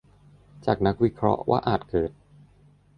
จากนักวิเคราะห์ว่าอาจเกิด